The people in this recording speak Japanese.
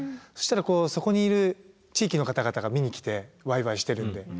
そしたらそこにいる地域の方々が見に来てワイワイしてるので。